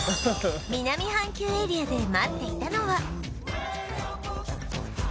南半球エリアで待っていたのは